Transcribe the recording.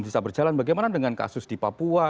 bisa berjalan bagaimana dengan kasus di papua